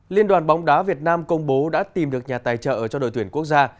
liên đoàn bóng đá việt nam công bố đã tìm được nhà tài trợ cho đội tuyển quốc gia